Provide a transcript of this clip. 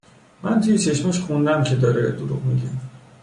من توی چشماش خوندم که داره دروغ میگه